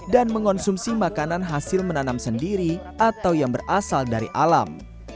dan mengonsumsi makanan hasil menanam sendiri atau yang berasal dari alam